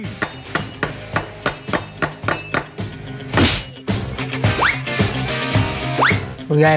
นี่แหละร้านลุงใหญ่